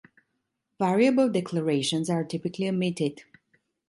Variable declarations are typically omitted.